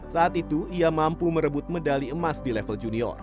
saat itu ia mampu merebut medali emas di level junior